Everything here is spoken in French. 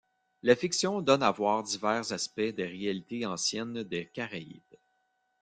La fiction donne à voir divers aspects des réalités anciennes des Caraïbes.